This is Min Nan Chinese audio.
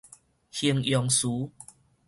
形容詞